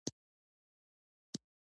د دوامدارو پایلو د ترلاسه کولو